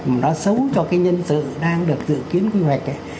mà nó xấu cho cái nhân sự đang được dự kiến quy hoạch